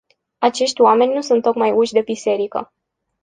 Acești oameni nu sunt tocmai uși de biserică.